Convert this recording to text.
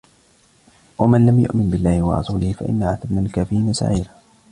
وَمَنْ لَمْ يُؤْمِنْ بِاللَّهِ وَرَسُولِهِ فَإِنَّا أَعْتَدْنَا لِلْكَافِرِينَ سَعِيرًا